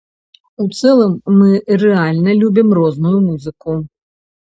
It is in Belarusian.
У цэлым, мы рэальна любім розную музыку.